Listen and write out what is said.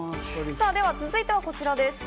さぁ、では続いてはこちらです。